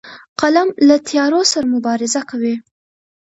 قلم له تیارو سره مبارزه کوي